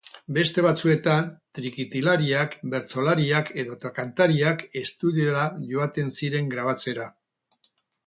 Beste batzuetan, trikitilariak, bertsolariak edota kantariak estudiora joaten ziren, grabatzera.